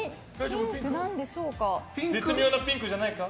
絶妙なピンクじゃないか？